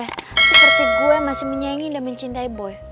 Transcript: seperti gue masih menyayangi dan mencintai boy